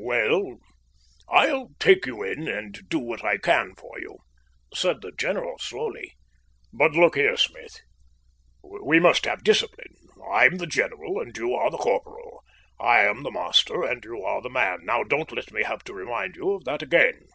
"Well, I'll take you in and do what I can for you," said the general slowly. "But look here, Smith, we must have discipline. I'm the general and you are the corporal; I am the master and you are the man. Now, don't let me have to remind you of that again."